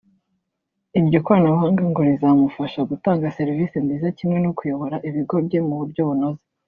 iryo koranabuhanga ngo rizamufasha gutanga serivisi nziza kimwe no kuyobora ibigo bye mu buryo bunoze